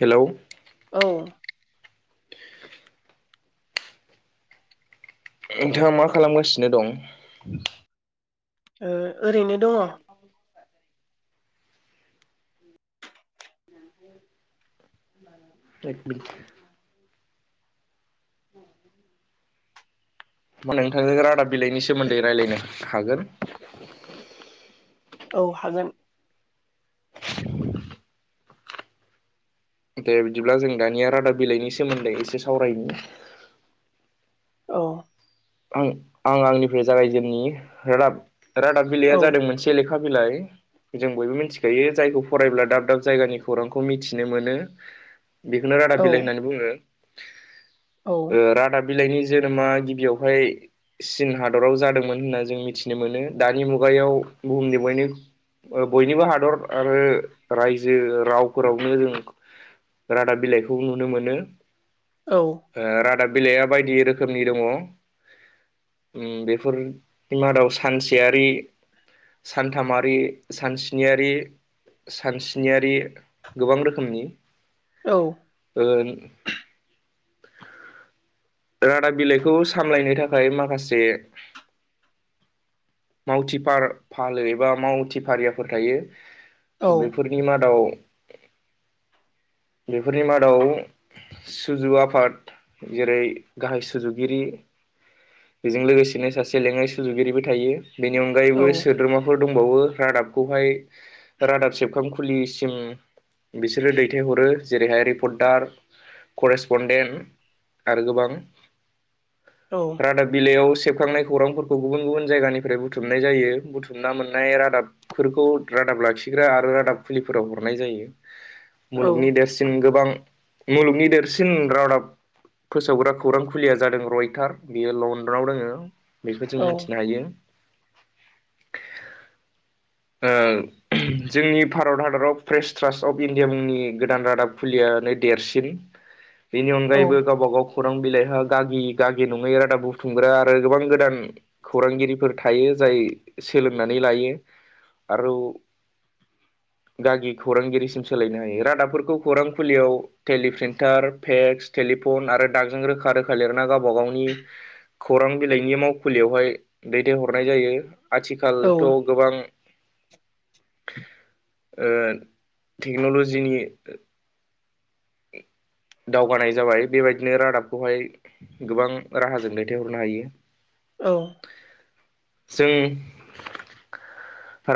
Hello औ नोंथाङा मा खालामगासिनो दं? ओ ओरैनो दङ [inaudible] एक मिट [inaudible] नोंथांनो रादाब बिलाइनि सोमोन्दै रायज्लायनो हागोन। औ हागोन। दे बिदिब्ला जों दानिया रादाब बिलाइनि सोमोन्दै एसे सावरायनो। औ आं आं आंनिफ्राय जागायजेननि रादाब -रादाब बिलाइया औ जादों मोनसे लेखा बिलाइ जों बयबो मिथिखायो जायखौ फरायब्ला दाब दाब जायगानि खौरांखौ मिथिनो मोनो। बेखौनो रादाब औ बिलाइ होननानै बुङो। औ रादाब बिलाइनि जोनोमा गिबियावहाय चीन हादराव जादोंमोन होनना जों मिथिनो मोनो दानि मुगायाव बुहुमनि बयनि बयनिबो हादर आरो रायजो रावफोरावनो जों रादाब बिलाइखौ नुनो मोनो। औ रादाब बिलाइया बायदि रोखोमनि दङ। बेफोरनि मादाव सानसेयारि सानथामारि सानस्नि नियारि सानस्निनियारि गोबां रोखोमनि औ ओ रादाब बिलाइखौ सामलायनो थाखाय माखासे मावथि फालो एबा मावथि फारियाफोर थायो औ बे फोरनि मादाव बेफोरनि मादाव सुजु आफाद जेरै गाहाय सुजुगिरि बेजों लोगोसेनो सासे लेङाइ सुजुगिरिबो थायो। बेनि औ अनगायैबो सोद्रोमा फोर दंबावो रादाबखौहाय रादाब सेबखांखुलिसिम बिसोरो दैथायहरो। जेरैहाय रिपर्टार करेसपनडेन्ट आरो गोबां औ रादाब बिलाइयाव सेबखांनाय खौरांफोरखौ गुबुन गुबुन जायगानिफ्राय बुथुमनाय जायो बुथुमना मोननाय रादाब फोरखौ रादाब लाखिग्रा आरो रादाब फुलिफोराव हरनाय जायो। मुलुगनि देरसिन गोबां मुलुगनि देरसिन रादाब फोसावग्राखौ खौरां खुलिया जादों रयटार बियो लण्डनाव दोङो बेखौ जों औ मिथिनो हायो। ओ जोंनि भारत हादराव फ्रेस ट्रास्ट अफ इण्डिया मुंनि गोदान रादाब खुलियानो देरसिन। बिनि अनगायैबो गावबागाव गोबां बिलाइहा गागि गागि नङै रादाब बुथुमग्रा आरो गोबां गोदान खौरांगिरिफोर थायो जाय सोलोंनानै लायो आरो गागि खौरांगिरिसिम सोलायनो हायो रादाबफोरखौ खौरां फुलियाव टेलिप्रिन्टार पेक्स टेलिफन आरो डागजों रोखा रोखा लिरना गावबा गावनि खौरां बिलाइनि मावखुलियावहाय दैथायहरनाय जायो। आथिखालथ' गोबां टेक्न'लजिनि दावगानाय जाबाय बेबायदिनो रादाबखौहाय गोबां राहाजों दैथायहरनो हायो। औ जों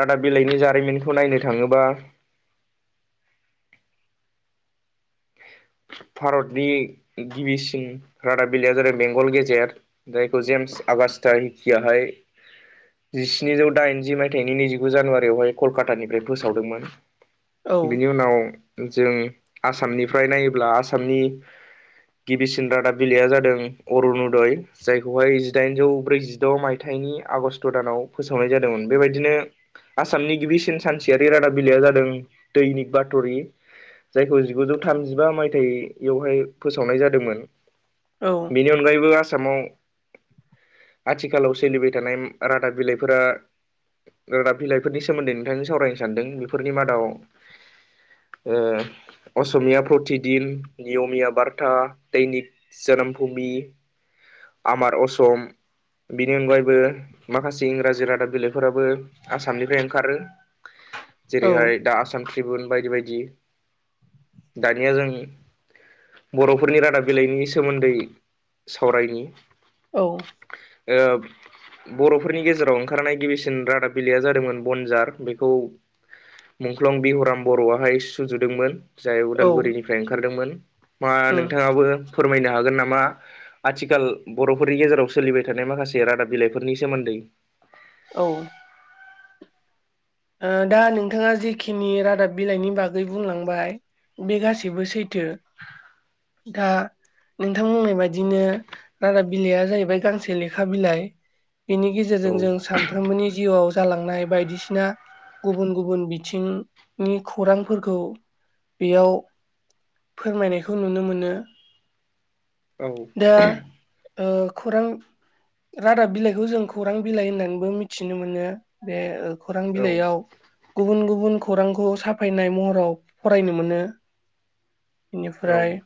रादाब बिलाइनि जारिमिनखौ नायनो थाङोबा भारतनि गिबिसिन रादाबिलाइया जादों बेंगल गेजेर जायखौ जेम्स आगास्टा हिकिआहाय जिस्निजौ दाइनजि मायथाइनि नैजिगु जानुवारियावहाय कलकातानिफ्राय फोसावदोंमोन। बिनि उनाव जों आसामनिफ्राय नायोब्ला आसामनि गिबिसिन रादाब बिलाइया जादों अरुनदय जायखौहाय जिदाइनजौ ब्रैजिद' मायथाइनि आगष्ट' दानाव फोसावनाय जादोंमोन बेबायदिनो आसामनि गिबिसिन सानसेयारि रादाबिलाइया जादों दैनिक बाथ'रि जायखौ जिगुजौ थामजिबा मायथायाइयावहाय फोसावनाय जादोंमोन। औ। बेनि अनगायैबो आसामाव आथिखालाव सोलिबाय थानाय रादाब बिलाइफोरा रादाब बिलाइफोरनि सोमोन्दै नोंथांजों सावरायनो सानदों बेफोरनि मादाव ओ असमिया प्रति दिन, नियमिया बारथा, दैनिक जोनोम भुमि, आमार असम, बिनि अनगायैबो माखासे इंराजि रादाब बिलाइफोराबो आसामनिफ्राय ओंखारो जेरैहाय दा आसाम ट्रिबुन बायदि बायदि दानिया जों बर'फोरनि रादाब बिलाइनि सोमोन्दै सावरायनि औ। ओ बर'फोरनि गेजेराव ओंखारनाय गिबिसिन रादाब बिलाइया जादोंमोन बनजार। बेखौ मुंख्लं बिहराम बर'आहाय सुजुदोंमोन। जाय औ उदालगुरिनिफ्राय ओंखारदोंमोन मा उम नोंथाङाबो फोरमायनो हागोन नामा आथिखाल बर'फोरनि गेजेराव सोलिबाय थानाय माखासे रादाब बिलाइफोरनि सोमोन्दै? औ। ओ दा नोंथाङा जेखिनि रादाब बिलाइनि बागै बुंलांबाय बे गासिबो सैथो दा नोंथां बुंनाय बायदिनो रादाब बिलाइआ जाहैबाय गांसे लेखा बिलाइ बेनि गेजेर औ गेजेरजों जों सानफ्रोमबोनि जिउआव जालांनाय बायदिसिना गुबुन गुबुन बिथिं नि खौरांफोरखौ बेयाव फोरमायनायखौ नुनो मोनो। औ। दा ओ खौरां रादाब बिलाइखौ जों खौरां बिलाइ होननानैबो मिथिनो मोनो बे खौरां औ बिलाइयाव गुबुन गुबुन खौरांखौ साफायनाय महराव फरायनो मोनो। औ बेनिफ्राय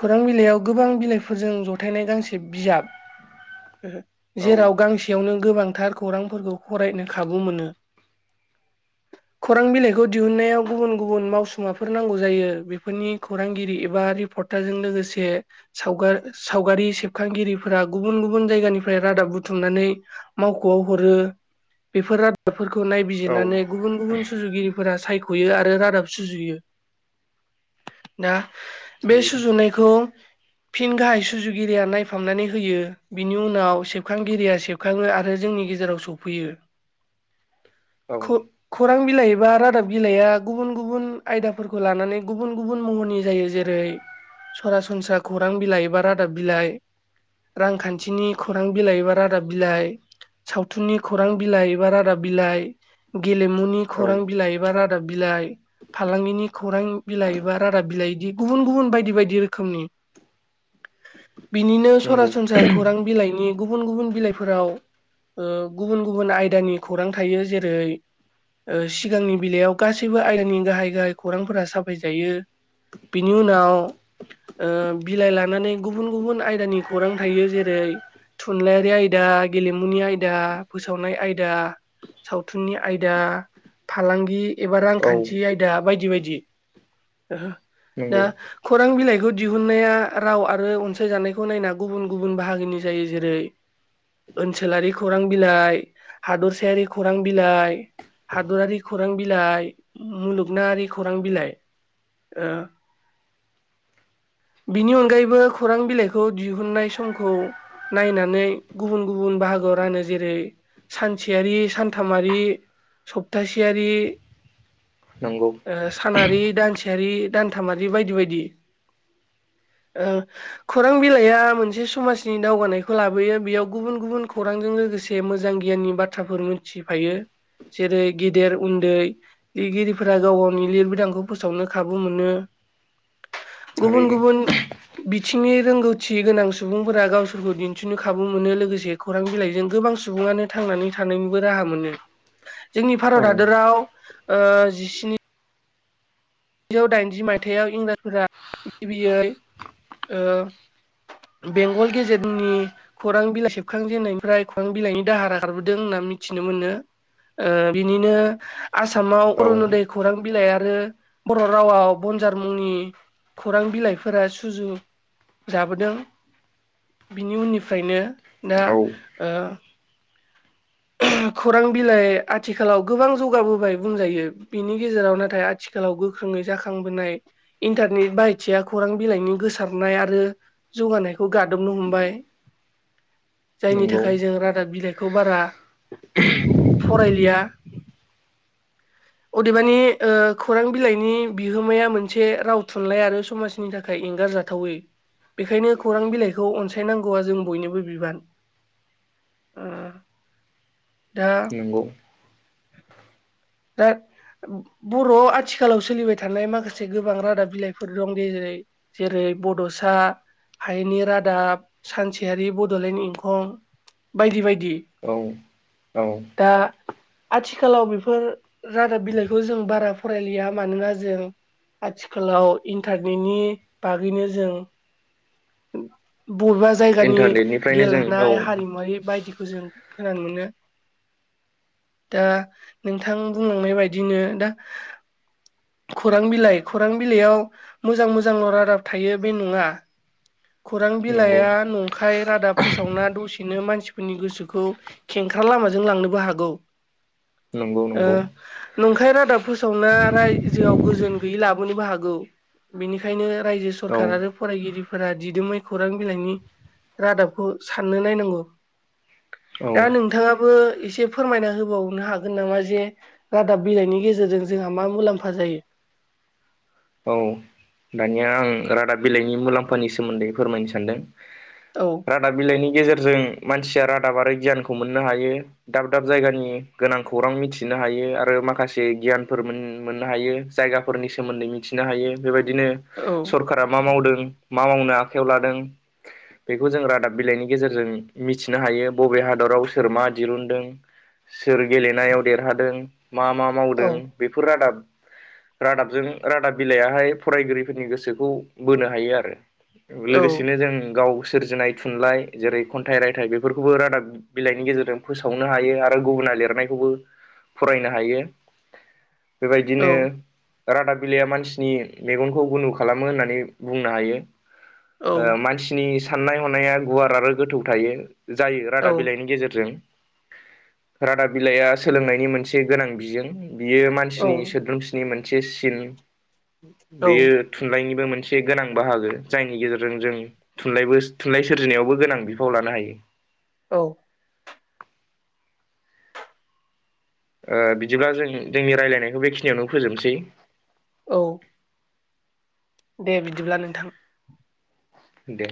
खौरां बिलाइयाव गोबां बिलाइफोरजों जथायनाय गांसे बिजाब औ जेराव गांसेयावनो गोबांथार खौरांफोरखौ फरायनो खाबु मोनो ‌ खौरां बिलाइखौ दिहुननायाव गुबुन गुबुन मावसुमाफोर नांगौ जायो बेफोरनि खौरांगिरि एबा रिपर्ट दा जों लोगोसे सावगार सावगारि सेबखांगिरिफोरा गुबुन गुबुन जायगानिफ्राय रादाब बुथुमनानै मावख'आव हरो बेफोर रादाबफोरखौ औ नायबिजिरनानै गुबुन गुबुन सुजुगिरिफोरा सायख'यो आरो रादाब सुजुयो दा बे थारैनो सुजुनायखौ फिन गाहाय सुजुगिरिया नायफामनानै होयो। बिनि उनाव सेबखांगिरिया सेबखाङो आरो जोंनि गेजेराव सफैयो। औ खौ- खौरां बिलाइ एबा रादाब बिलाइआ गुबुन गुबुन आयदाफोरखौ लानानै गुबुन गुबुन महरनि जायो जेरै सरासनस्रा खौरां बिलाइ एबा रादाब बिलाइ रांखान्थिनि खौरां बिलाइ एबा रादाब बिलाइ सावथुननि खौरां बिलाइ एबा रादाब बिलाइ गेलेमुनि औ खौरां बिलाइ एबा रादाब बिलाइ फालांगिनि खौरां बिलाइ एबा रादाब बिलाइ इदि गुबुन गुबुन बायदि बायदि रोखोमनि [inaudible] बिनिनो नंगौ सरासनस्रा खौरां बिलाइनि गुबुन गुबुन बिलाइफोराव ओ गुबुन गुबुन आयदानि खौरां थायो जेरै ओ सिगांनि बिलायाव गासैबो आयदानि गाहाय गाहाय खौरांफोरा साफाय जायो बिनि उनाव ओ बिलाइ लानानै गुबुन गुबुन आयदानि खौरां थायो जेरै थुनलाइयारि आयदा गेलेमुनि आयदा फोसावनाय आयदा सावथुननि आयदा फालांगि एबा औ रांखान्थि आयदा दा बायदि बायदि हो दा नंगौ खौरां बिलाइखौ दिहुनन्नाया राव आरो अनसायजानायखौ नायना गुबुन गुबुन बाहागोनि जायो जेरै ओनसोलारि खौरां बिलाइ हादरसायारि खौरां बिलाइ हादरारि खौरां बिलाइ मुलुगनाङारि खौरां बिलाइ ओ बिनि अनगायैबो खौरां बिलाइखौ दिहुननाय समखौ नायनानै गुबुन गुबुन बाहागोआव रानो जेरै सानसेयारि सानथामारि सप्तासेयारि नंगौ ओ सानारि दानसेयारि दानथामारि बायदि बायदि ओ खौरां बिलाइया मोनसे समाजनि दावगानायखौ लाबोयो बेयाव गुबुन गुबुन खौरांजों लोगोसे से मोजां गियाननि बाथ्राफोर मिथिफायो जेरै गेदेर उन्दै लिरगिरिफोरा गाव गावनि लिरबिदांखौ फोसावनो खाबु मोनो गुबुन थारैनो गुबुन बिथिंनि रोंगौथि गोनां सुबुंफोरा गावसोरखौ दिन्थिनो खाबु मोनो लोगोसे खौरां बिलाइजों गोबां सुबुङानो थांनानै थानायनिबो राहा मोनो। जोंनि औ भारत हादराव ओ जिस्नि जौ दाइनजि मायथाइाव इंराजफोरा गिबियै ओ बेंगल गेजेरनि खौरां बिलाइ सेबखांजेननायनिफ्राय खौरां बिलाइनि दाहारा खारबोदों होनना मिथिनो मोनो ओ बिनिनो आसामाव औ अरुनदय खौरां बिलाइ आरो बर' रावाव बनजार मुंनि खौरां बिलाइफोरा सुजु जाबोदों बिनि उननिफ्रायनो दा औ ओ खौरां बिलाइ आथिखालाव गोबां जौगाबोबाय बुंजायो बिनि गेजेराव नाथाय आथि खालाव गोख्रोङै जाखांबोनाय इन्टारनेट बायथिया खौरां बिलाइनि गोसारनाय आरो जौगानायखौ गादबनो हमबाय [inaudible] जायनि थाखाय जों रादाब बिलाइखौ बारा [inaudible] फरायलिया। अदेबानि ओ खौरां बिलाइनि बिहोमाया मोनसे राव थुनलाइ आरो समाजनि थाखाय एंगारजा थावै बेखायनो खौरां बिलाइखौ अनसायनांगौवआ जों बयनिबो बिबान [unintelligible] दा नंगौ दा बर'वाव आथिखालाव सोलिबाय थानाय माखासे गोबां रादाब बिलाइफोर दंदि जेरै जेरै बड'सा हायेननि रादाब सानसेयारि बड'लेण्ड इंखं बायदि बायदि। औ औ दा आथिखालाव बेफोर रादाब बिलाइखौ जों बारा फरायलिया मानोना जों आथिखालाव इन्टारनेटनि बागैनो जों बबेबा जायगानि इन्टारनेटनिफ्रायनो जों गेलेनाय औ हारिमुवारि बायदिखौ जों खोनानो मोनो दा नों थां बुंलांनाय बायदिनो दा खौरां बिलाइ खौरां बिलाइयाव मोजां मोजांल' रादाब थायो बे नङा [inaudible] खौरां नंगौ बिलाइया न' खाय रादाब फोसावना दसेनो मानसिफोरनि गोसोखौ खेंख्रा लामाजों लांनोबो हागौ। नंगौ ओ नंगौ नंखाय रादाब फोसावना राय जोङाव गोजोन गैयै लाबोनोबो हागौ बेनिखायनो रायजो औ सरखार आरो फरायगिरिफोरा दिदोमै खौरां बिलाइनि रादाबखौ साननो नायनांगौ। औ दा नोंथाङाबो एसे फोरमायना होबावनो हागोन नामा? जे रादाब बिलाइनि गेजेरजों जोंहा मा मुलाम्फा जायो। औ दानिया आं रादाब बिलाइनि मुलाम्फानि सोमोन्दै फोरमायनो सानदों। औ रादाब बिलाइनि गेजेरजों मानसिया रादाब आरो गियानखौ मोननो हायो। दाब दाब जायगानि गोनां खौरां मिथिनो हायो आरो माखासे गियानफोर मोन मोननो हायो। जायगाफोरनि सोमोन्दै मिथिनो हायो बेबायदिनो औ सर कारा मा मावदों? मा मावनो आखायाव लादों? बेखौ जों रादाब बिलाइनि गेजेरजों मिथिनो हायो। बबे हादराव सोर मा दिरुनदों? सोर गेलेनायाव देरहादों। मा मा औ मावदों? बेफोर रादाब रादाबजों रादाब बिलाइयाहाय फरायगिरिफोरनि गोसोखौ बोनो हायो आरो औ लोगोसेनो जों गाव सोरजिनाय थुनलाइ जेरै खन्थाइ रायथाइ बेफोरखौबो रादाब बिलाइनि गेजेरजों फोसावनो हायो आरो गुबुना लिरनायखौबो फरायनो हायो। बेबायदिनो औ रादाब बिलाइया मानसि नि मेगनखौ गुनो खालामो होननानै बुंनो हायो। औ ओ मानसि नि साननाय हनाया गुवार आरो गोथौ थायो जायो रादाब बिलाइनि औ गेजेरजों रादाब बिलाइया सोलोंनायनि मोनसे गोनां बिजों बियो मानसिनि सोद्रोमसि नि मोनसे सिन औ बेयो थुनलाइनिबो मोनसे गोनां बाहागो जायनि गेजेरजों जों थुनलाइबो थुनलाइ सोरजिनायावबो गोनां बिफाव लानो हायो। औ ओ बिदिब्ला जों जोंनि रायज्लायनायखौ बेखिनियावनो फोजोबनोसै औ दे बिदिब्ला नोंथां। दे